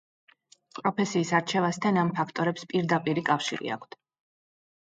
პროფესიის არჩევასთან ამ ფაქტორების პირდაპირი კავშირი აქვთ.